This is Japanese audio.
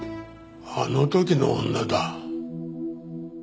あの時の女だ。